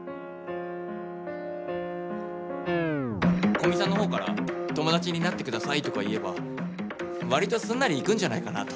古見さんの方から「友達になって下さい」とか言えば割とすんなりいくんじゃないかなと。